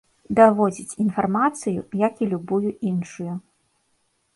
Даводзіць інфармацыю, як і любую іншую.